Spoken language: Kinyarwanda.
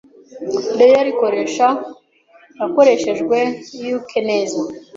Rea Iikoresho yakoreshejwe uiike neza